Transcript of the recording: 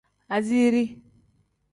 Asiiri.